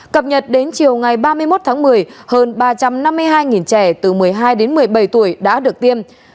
cập nhật đến chiều ngày ba mươi một tháng một mươi hơn ba trăm năm mươi hai trẻ từ một mươi hai đến một mươi bảy tuổi đã được tiêm